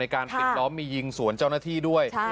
การปิดล้อมมียิงสวนเจ้าหน้าที่ด้วย